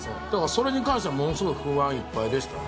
それに関してはものすごい不安いっぱいでしたね。